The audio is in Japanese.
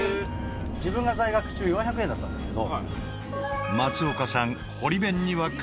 自分が在学中４００円だったんですけど。